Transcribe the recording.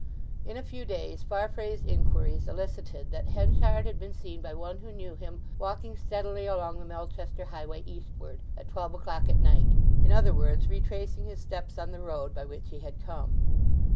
In a few days Farfrae's inquiries elicited that Henchard had been seen by one who knew him walking steadily along the Melchester highway eastward, at twelve o'clock at night—in other words, retracing his steps on the road by which he had come.